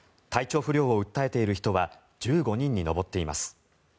体調不良を訴えている人は１５人に上っています。